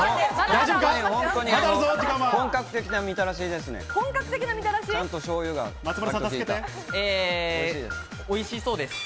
本格的なみたらしですね。